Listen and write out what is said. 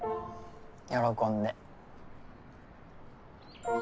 喜んで。